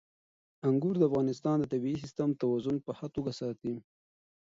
انګور د افغانستان د طبعي سیسټم توازن په ښه توګه ساتي.